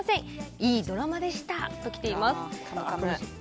いいドラマでしたと、きています。